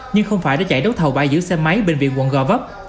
nhưng không phải để chạy đấu thầu bãi giữ xe máy bệnh viện quận gò vấp